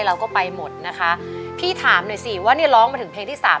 เราก็ไปหมดนะคะพี่ถามหน่อยสิว่าเนี่ยร้องมาถึงเพลงที่สาม